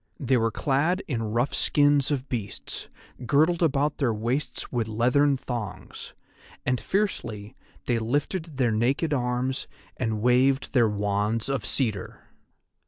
They were clad in rough skins of beasts, girdled about their waists with leathern thongs, and fiercely they lifted their naked arms, and waved their wands of cedar.